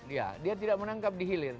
ya dia tidak menangkap di hilir